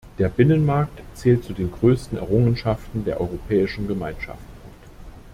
Der Binnenmarkt zählt zu den größten Errungenschaften der Europäischen Gemeinschaft.